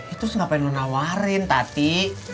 itu sengapain lu nawarin tati